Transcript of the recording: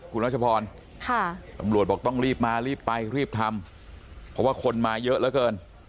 คุณรัชพรตำรวจบอกต้องรีบมารีบไปรีบทำเพราะว่าคนมาเยอะเหลือเกิน